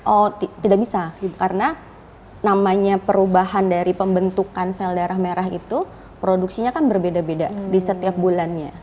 oh tidak bisa karena namanya perubahan dari pembentukan sel darah merah itu produksinya kan berbeda beda di setiap bulannya